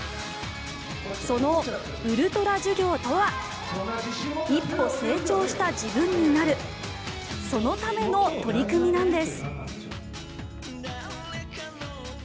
そのウルトラ授業とは一歩成長した自分になるそのための取り組みなんです。